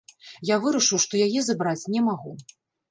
Я вырашыў, што яе забраць не магу.